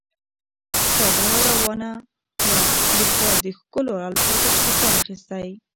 ساده او روانه وه، ليکوال د ښکلو الفاظو څخه کار اخیستى.